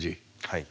はい。